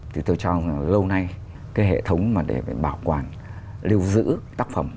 thì tôi cho rằng là lâu nay cái hệ thống để bảo quản lưu giữ tác phẩm